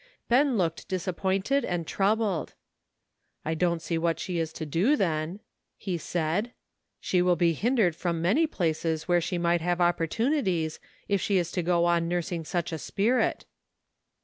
Ben looked disappointed and troubled. "I don't see what she is to do, then," he said ;" she will be hindered from many places where she might have opportunities, if she is to go on nursing such a spirit."